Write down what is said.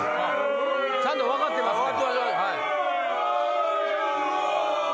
ちゃんと分かってますから。